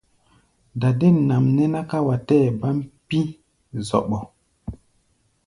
Dadên nʼam nɛ́ ná ká wa tɛɛ́ baʼm pí̧ zɔɓɔ.